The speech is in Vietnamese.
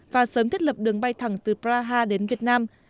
và sớm thiết lập đường bay thẳng từ praha đến việt nam